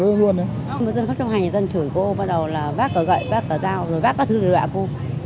một dân phát trong hàng này dân chửi cô bắt đầu là vác cả gậy vác cả rào rồi vác các thứ để đoạn cô